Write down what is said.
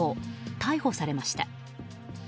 逮捕されました。